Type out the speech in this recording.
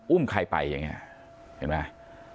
อุ้มใครไปอย่างนี้เห็นไหม